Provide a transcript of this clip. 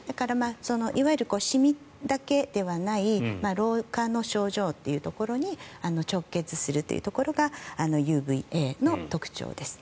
いわゆるシミだけではない老化の症状というところに直結するというところがＵＶＡの特徴ですね。